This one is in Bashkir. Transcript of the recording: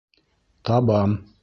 Табам.